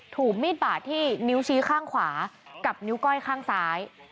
ถูกมีดบาดที่นิ้วชี้ข้างขวากับนิ้วก้อยข้างซ้าย